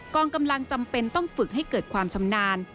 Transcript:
กองกำลังจำเป็นต้องฝึกให้เกิดความชำนาญ